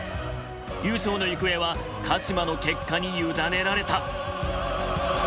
優勝の行方は鹿島の結果に委ねられた。